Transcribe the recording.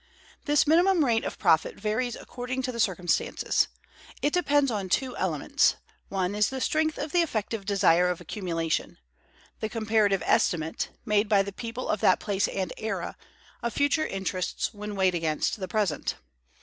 This minimum rate of profit varies according to circumstances. It depends on two elements: One is the strength of the effective desire of accumulation; the comparative estimate, made by the people of that place and era, of future interests when weighed against present.